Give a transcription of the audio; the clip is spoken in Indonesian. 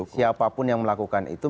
siapapun yang melakukan itu